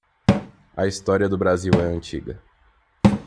A história do Brasil é antiga.